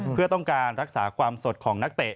เพื่อต้องการรักษาความสดของนักเตะ